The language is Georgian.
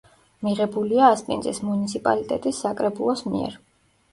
მიღებულია ასპინძის მუნიციპალიტეტის საკრებულოს მიერ.